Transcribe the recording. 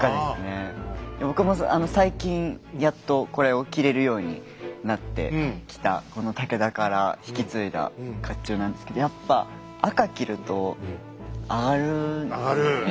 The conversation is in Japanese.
僕も最近やっとこれを着れるようになってきたこの武田から引き継いだ甲冑なんですけどやっぱアガる！